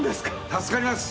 助かります。